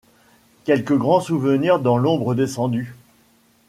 Quelque grand souvenir dans l’ombre descendu